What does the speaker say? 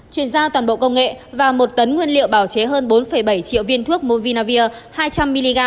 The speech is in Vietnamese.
chuyển giao toàn bộ công nghệ và một tấn nguyên liệu bảo chế hơn bốn bảy triệu viên thuốc movinavir hai trăm linh mg